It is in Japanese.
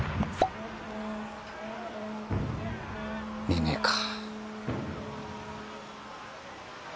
見ねえか。